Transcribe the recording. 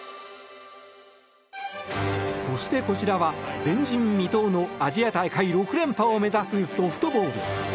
そして、こちらは前人未到のアジア大会６連覇を目指すソフトボール。